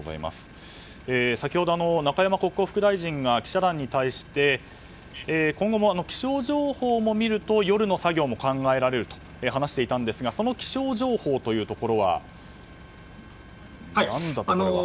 先ほど、中山国交副大臣が記者団に対して今後も気象情報も見ると夜の作業も考えられると話していたんですがその気象情報というところは。